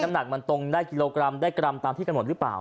หนักมันตรงได้กิโลกรัมได้กรัมตามที่กำหนดหรือเปล่า